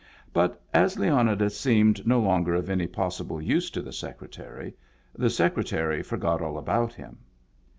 But as Leonidas seemed no longer of any pos* sible use to the Secretary, the Secretary forgot all about him